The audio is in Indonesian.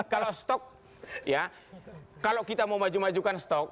kalau stok ya kalau kita mau maju majukan stok